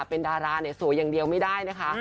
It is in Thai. เป็นดาราเนี่ยสวยอย่างเดียวไม่ได้นะคะ